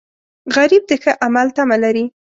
غریب د ښه عمل تمه لري